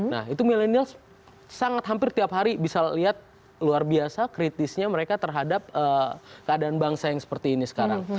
nah itu milenial sangat hampir tiap hari bisa lihat luar biasa kritisnya mereka terhadap keadaan bangsa yang seperti ini sekarang